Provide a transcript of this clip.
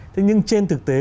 thế nhưng trên thực tế